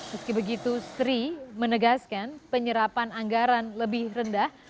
meski begitu sri menegaskan penyerapan anggaran lebih rendah